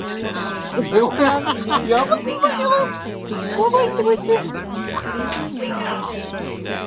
However, there were criticisms of the financial management at the priory.